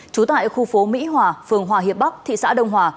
trú tại khu phố mỹ hòa phường hòa hiệp bắc thị xã đông hòa